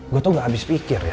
gue tuh gak habis pikir ya